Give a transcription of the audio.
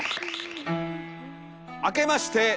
あけまして。